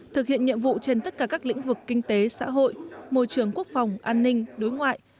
thực hiện nhiệm vụ trên tất cả các lĩnh vực kinh tế xã hội môi trường quốc phòng an ninh đối ngoại